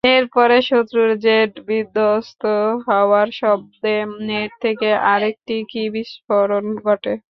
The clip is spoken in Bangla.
এর পরে শত্রুর জেট বিধ্বস্ত হওয়ার শব্দে নেট থেকে আরেকটি বিস্ফোরণ ঘটে।